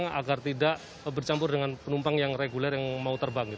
yang agar tidak bercampur dengan penumpang yang reguler yang mau terbang